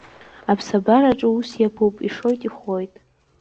Аԥсабараҿы ус иаԥуп, ишоит, ихәлоит.